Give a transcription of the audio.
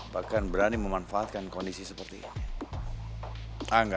bahkan berani memanfaatkan kondisi seperti ini